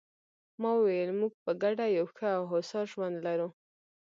ما وویل: موږ په ګډه یو ښه او هوسا ژوند لرو.